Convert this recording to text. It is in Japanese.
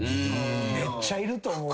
めっちゃいると思うで。